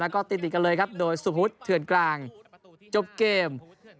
แล้วก็ติดกันเลยครับโดยสุภวุฒิเถื่อนกลางจบเกม